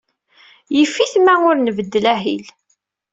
Yif-it ma ur nbeddel ahil.